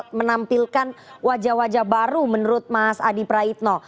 untuk menampilkan wajah wajah baru menurut mas adi praitno